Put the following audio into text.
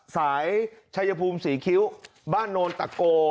สายชายภูมิศรีคิ้วบ้านโนนตะโก